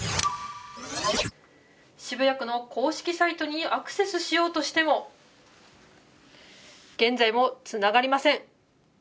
渋谷区の公式サイトにアクセスしようとしても現在もつながりません。